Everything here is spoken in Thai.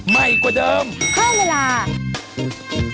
ไหม้กว่าเดิม